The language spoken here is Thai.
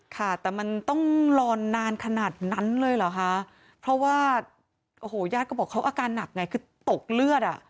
ค่ะแต่มันต้องรอนานขนาดนั้นเลยเหรอคะเพราะว่าโอ้โหญาติก็บอกเขาอาการหนักไงคือตกเลือดอ่ะ